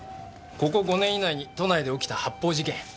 ここ５年以内に都内で起きた発砲事件。